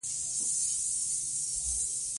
د ژمي د لمر تودوخه ډېره زړه راښکونکې او خوږه وي.